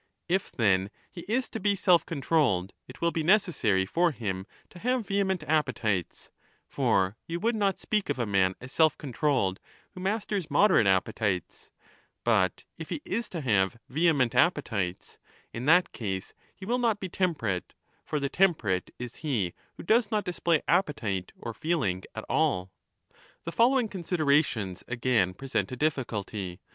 If then he is to be self controlled, it will be necessary for him to have vehement appetites (for you would not speak of a man as self controlled who masters moderate appetites); but if he is to have vehement appetites, in that case he will 15 not be temperate (for the temperate is he who does not display appetite or feeling at all). The following considerations again present a difficulty.